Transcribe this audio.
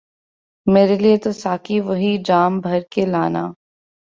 میرے لئے تو ساقی وہی جام بھر کے لانا